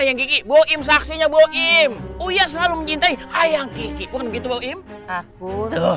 yang gigi boim saksinya bogim oh iya selalu mencintai ayah gigi pun gitu boim aku tuh